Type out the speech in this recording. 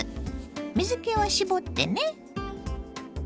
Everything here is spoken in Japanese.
水けは絞ってね。